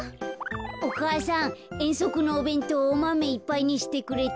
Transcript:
お母さんえんそくのおべんとうおマメいっぱいにしてくれた？